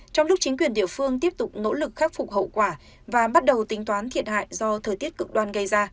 trong lúc chính quyền địa phương tiếp tục nỗ lực khắc phục hậu quả và bắt đầu tính toán thiệt hại do thời tiết cực đoan gây ra